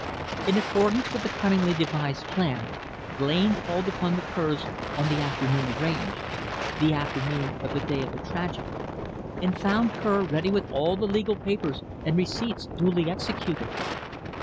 In accordance with the cunningly devised plan, Blain called upon the Kerrs on the afternoon arranged the afternoon of the day of the tragedy and found Kerr ready with all the legal papers and receipts duly executed.